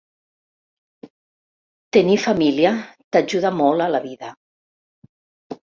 Tenir família t'ajuda molt a la vida.